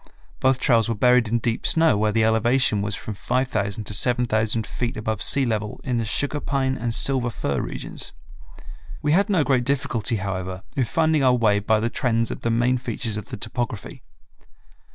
Both trails were buried in deep snow where the elevation was from 5000 to 7000 feet above sea level in the sugar pine and silver fir regions. We had no great difficulty, however, in finding our way by the trends of the main features of the topography.